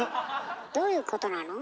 どういうことなの？